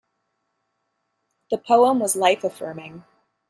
The poem was life-affirming.